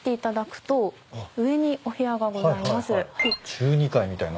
中二階みたいな。